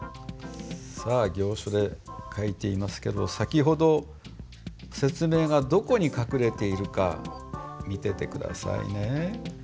さあ行書で書いていますけど先ほど説明がどこに隠れているか見てて下さいね。